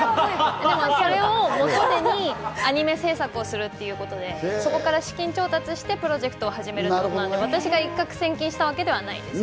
それを元手にアニメ制作をするということで、そこから資金調達してプロジェクトを始めるので、私が一獲千金したわけではないです。